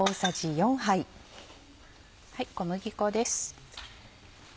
小麦粉です。